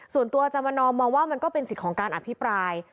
ส่วนตัวจำนองมองว่ามันก็เป็นสิทธิ์ของการอภิปราย